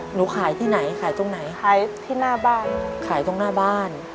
หนูขายที่ไหนขายตรงไหนขายที่หน้าบ้านขายตรงหน้าบ้าน